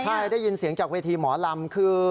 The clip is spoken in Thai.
ใช่ได้ยินเสียงจากเวทีหมอลำคือ